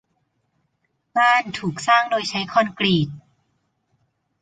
บ้านถูกสร้างโดยใช้คอนกรีต